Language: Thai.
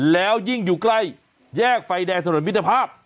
แล้วยิ่งอยู่ใกล้แยกไฟแดงถนนมิตรภาพ